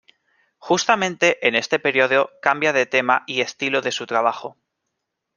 Justamente en este periodo cambia de tema y estilo de su trabajo.